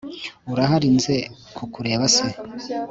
urahari nze kukureba se